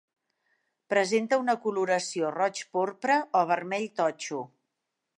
Presenta una coloració roig porpra o vermell totxo.